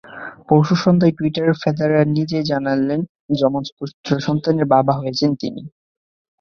পরশু সন্ধ্যায় টুইটারে ফেদেরার নিজেই জানালেন যমজ পুত্রসন্তানের বাবা হয়েছেন তিনি।